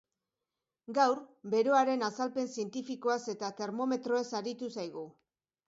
Gaur, beroaren azalpen zientifikoaz eta termometroez aritu zaigu.